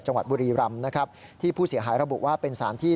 บุรีรำนะครับที่ผู้เสียหายระบุว่าเป็นสารที่